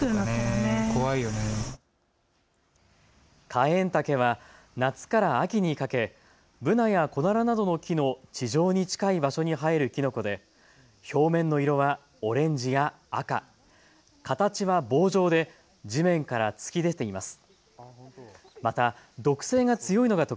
カエンタケは夏から秋にかけブナやコナラなどの木の地上に近い場所に生えるきのこで表明の色はオレンジや赤、形は棒状で地面から突き出ています。